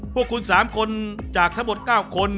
พวกคุณสามคนจากทั้งหมดเก้าคน